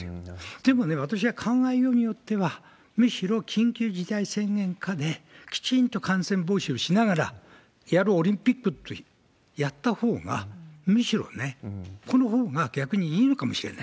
でもね、私は考えようによっては、むしろ緊急事態宣言下できちんと感染防止をしながらやるオリンピックってやったほうが、むしろこのほうが逆にいいのかもしれない。